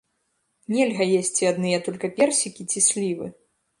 Нельга есці адныя толькі персікі ці слівы.